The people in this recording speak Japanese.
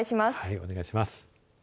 お願いします。